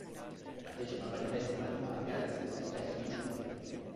Partecipa a vari festival in patria e all'estero, spesso vincendoli.